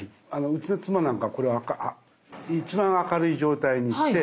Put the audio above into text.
うちの妻なんかこれ一番明るい状態にして。